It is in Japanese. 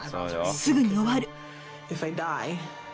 すぐに終わる。